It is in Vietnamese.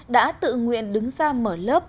đã tự nguyện đứng ra mở lớp